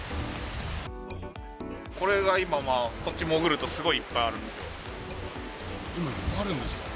これが今、こっち潜ると、いっぱいあるんですか？